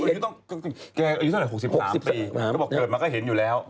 ก็บอกเกิดมาก็เห็นอยู่แล้ว